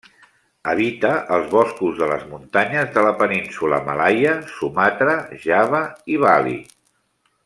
Habita els boscos de les muntanyes de la Península Malaia, Sumatra, Java i Bali.